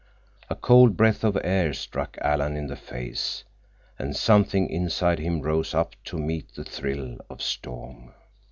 A cold breath of air struck Alan in the face, and something inside him rose up to meet the thrill of storm.